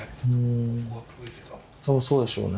そうでしょうね。